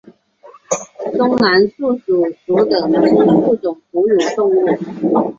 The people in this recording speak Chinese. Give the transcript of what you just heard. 中南树鼠属等之数种哺乳动物。